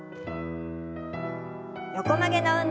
横曲げの運動です。